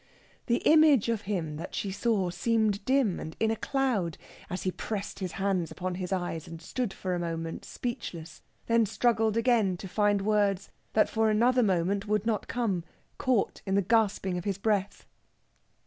The image of him that she saw seemed dim and in a cloud, as he pressed his hands upon his eyes and stood for a moment speechless; then struggled again to find words that for another moment would not come, caught in the gasping of his breath.